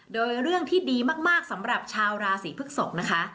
โดยเรื่องที่ดีมากสำหรับชาวราศีพฤกษกนะคะ